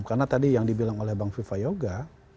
karena tadi yang dibilang oleh bank viva yoga